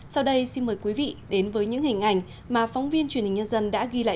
sau đây xin mời quý vị đến với những hình ảnh mà phóng viên truyền hình nhân dân đã ghi lại